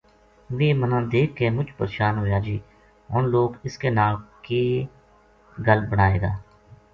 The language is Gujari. ویہ مَنا دیکھ کے مُچ پرشان ہویا جے ہن لوک اس کے نال کے کے گل بنائے گا